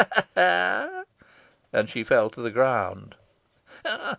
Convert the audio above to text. ha!" And she fell to the ground.